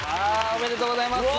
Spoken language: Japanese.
おめでとうございます。